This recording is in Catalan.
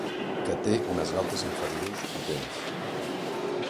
Que té unes galtes inferiors potents.